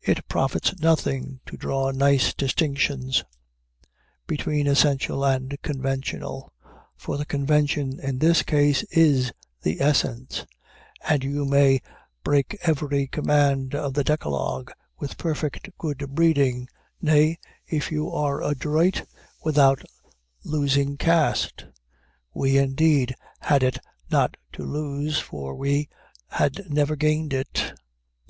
It profits nothing to draw nice distinctions between essential and conventional, for the convention in this case is the essence, and you may break every command of the decalogue with perfect good breeding, nay, if you are adroit, without losing caste. We, indeed, had it not to lose, for we had never gained it.